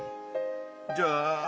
じゃあ。